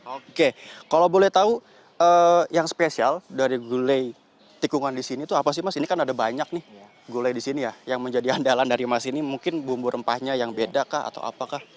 oke kalau boleh tahu yang spesial dari gulai tikungan di sini tuh apa sih mas ini kan ada banyak nih gulai di sini ya yang menjadi andalan dari mas ini mungkin bumbu rempahnya yang beda kah atau apakah